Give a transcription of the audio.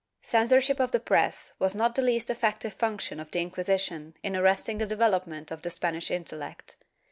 Censorship of the press was not the least effective function of the Inquisition in arresting the development of the Spanish intel lect.